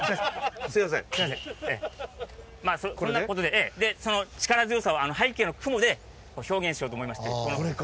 でその力強さを背景の雲で表現しようと思いまして。